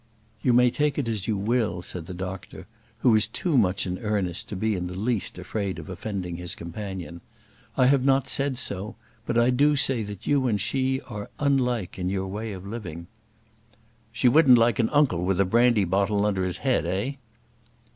"You may take it as you will," said the doctor, who was too much in earnest to be in the least afraid of offending his companion. "I have not said so; but I do say that you and she are unlike in your way of living." "She wouldn't like an uncle with a brandy bottle under his head, eh?"